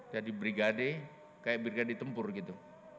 jadi brigade kayak brigade tempur gitu